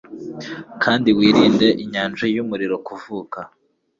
kandi wirinde inyanja yumuriro kuvuka